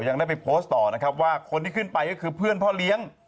ยังได้ไปโพสต์ต่อนะครับว่าคนที่ขึ้นไปก็คือเพื่อนพ่อเลี้ยง